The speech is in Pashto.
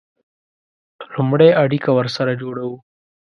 لومړی اړیکه ورسره جوړوو.